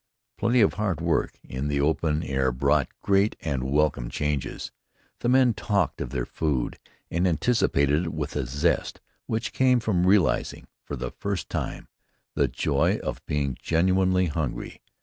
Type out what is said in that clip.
Plenty of hard work in the open air brought great and welcome changes. The men talked of their food, anticipated it with a zest which came from realizing, for the first time, the joy of being genuinely hungry.